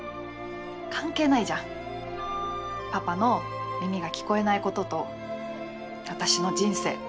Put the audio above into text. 関係ないじゃんパパの耳が聞こえないことと私の人生。